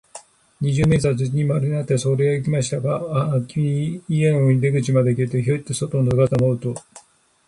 二十面相は、土まみれになって、そこをはっていきましたが、あき家の中の出口の下まで来て、ヒョイと外をのぞいたかと思うと、